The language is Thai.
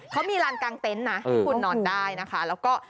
เขามีลานกลางเต็นต์นะที่คุณนอนได้นะคะแล้วก็